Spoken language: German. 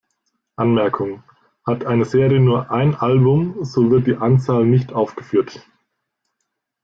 Anmerkung: Hat eine Serie nur ein Album, so wird die Anzahl nicht aufgeführt.